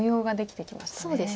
そうですね。